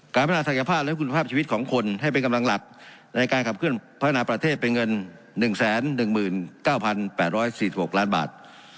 พัฒนาศักยภาพและคุณภาพชีวิตของคนให้เป็นกำลังหลักในการขับเคลื่อนพัฒนาประเทศเป็นเงิน๑๑๙๘๔๖ล้านบาท